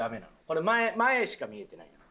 これ前しか見えてないやん。